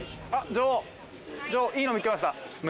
女王いいの見つけました。